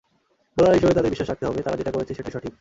Bowler হিসেবে তাদের বিশ্বাস রাখতে হবে, তারা যেটা করছে সেটাই ঠিক।